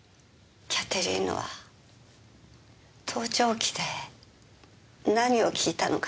キャテリーヌは盗聴器で何を聞いたのかしら？